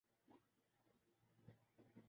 وہاں پہ صدر نکسن سے تفتیش ہوتی ہے۔